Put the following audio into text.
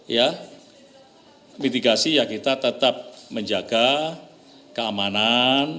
ya mitigasi ya kita tetap menjaga keamanan